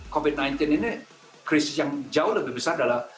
covid sembilan belas ini krisis yang jauh lebih besar adalah